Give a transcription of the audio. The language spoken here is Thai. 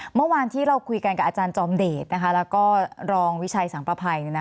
เมื่อวานที่เราคุยกันกับอาจารย์จอมเดชแล้วก็รองวิชัยสังประภัย